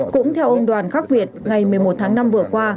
cũng theo ông đoàn khắc việt ngày một mươi một tháng năm vừa qua